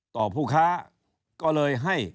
ผู้ค้าก็เลยให้